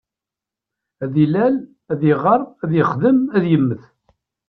Ad d-ilal, ad iɣer, ad yexdem, ad yemmet.